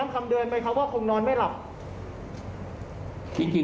ฟังท่านเพิ่มค่ะบอกว่าถ้าผู้ต้องหาหรือว่าคนก่อเหตุฟังอยู่